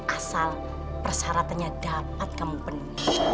asal persaratannya dapat kamu penuh